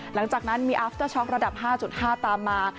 หลังจากนั้นมีอาฟเตอร์ช็อกระดับ๕๕ตามมา